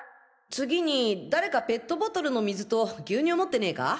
次に誰かペットボトルの水と牛乳持ってねえか？